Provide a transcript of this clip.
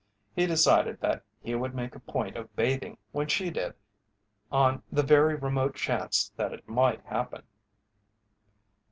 He decided that he would make a point of bathing when she did, on the very remote chance that it might happen.